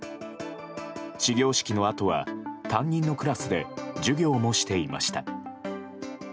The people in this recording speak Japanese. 始業式のあとは担任のクラスで授業もしていました。